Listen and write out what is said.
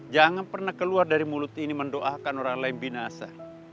jangan pernah keluar dari mulut ini mendoakan orang lain binasa